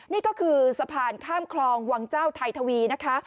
นี่ก็คือสะพานข้ามคลองวังเจ้าไทยทวีนะคะ